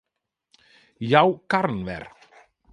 Jou karren wer.